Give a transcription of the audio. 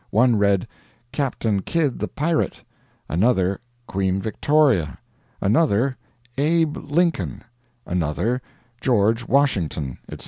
One read, 'CAPTAIN KIDD THE PIRATE'; another, 'QUEEN VICTORIA'; another, 'ABE LINCOLN'; another, 'GEORGE WASHINGTON,' etc.